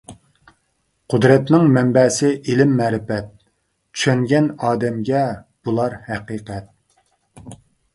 قۇدرەتنىڭ مەنبەسى ئىلىم مەرىپەت، چۈشەنگەن ئادەمگە بۇلار ھەقىقەت.